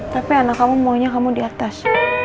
tapi anak kamu maunya kamu di atas